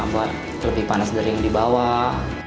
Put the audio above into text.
buat lebih panas dari yang di bawah